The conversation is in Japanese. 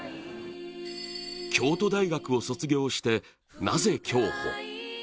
京都大学を卒業して、なぜ競歩。